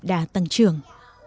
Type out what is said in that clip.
đa tăng trưởng